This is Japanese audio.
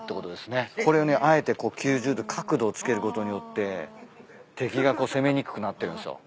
これねあえて９０度角度をつけることによって敵が攻めにくくなってるんすよ。